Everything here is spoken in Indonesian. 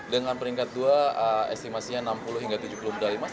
dengan peringkat dua estimasinya enam puluh hingga tujuh puluh medali emas